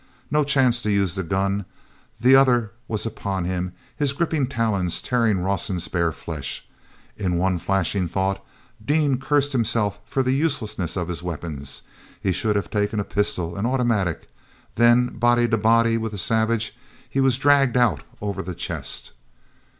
No chance to use the gun—the other was upon him, his gripping talons tearing Rawson's bare flesh. In one flashing thought, Dean cursed himself for the uselessness of his weapon—he should have taken a pistol, an automatic. Then, body to body with the savage, he was dragged out over the chest.